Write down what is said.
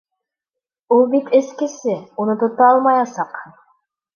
Ул бит эскесе, уны тота алмаясаҡһың.